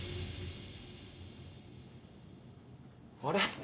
あれ？